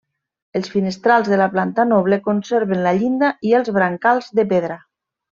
Els finestrals de la planta noble conserven la llinda i els brancals de pedra.